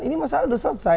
ini masalah udah selesai